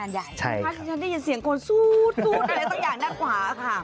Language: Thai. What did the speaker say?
ถ้าที่ฉันได้ยินเสียงโกรธซู๊ดอะไรต้องอยากนั่นกว่าค่ะ